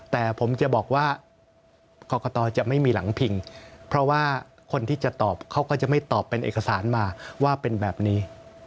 แต่ผมจะบอกว่ากรกตจะไม่มีหลังพิงเพราะว่าคนที่จะตอบเขาก็จะไม่ตอบเป็นเอกสารมาว่าเป็นแบบนี้